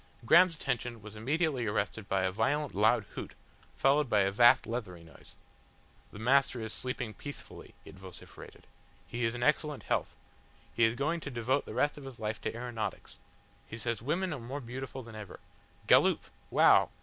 Graham's attention was immediately arrested by a violent, loud hoot, followed by a vast leathery voice. "The Master is sleeping peacefully," it vociferated. "He is in excellent health. He is going to devote the rest of his life to aeronautics. He says women are more beautiful than ever. Galloop! Wow!